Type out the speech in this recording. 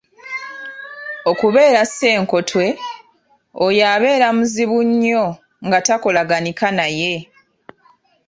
Okubeera Ssenkotwe: oyo abeera muzibu nnyo nga takolaganika naye.